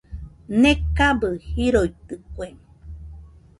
Nekabɨ jiroitɨkue.